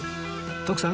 徳さん